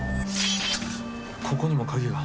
ここにも鍵が。